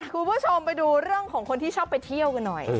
คุณผู้ชมไปดูเรื่องของคนที่ชอบไปเที่ยวกันหน่อย